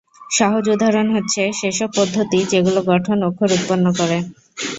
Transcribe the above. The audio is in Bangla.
সহজ উদাহরণ হচ্ছে সেসব পদ্ধতি যেগুলো গঠন অক্ষর উৎপন্ন করে।